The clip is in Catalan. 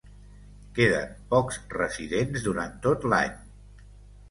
Queden pocs residents durant tot l'any.